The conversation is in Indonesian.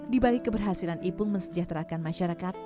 di balik keberhasilan ipung mensejahterakan masyarakat